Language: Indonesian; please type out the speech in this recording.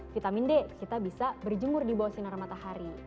vitamin d kita bisa berjemur di bawah sinar matahari